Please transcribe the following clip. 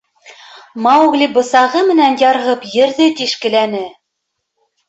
Маугли бысағы менән ярһып ерҙе тишкеләне.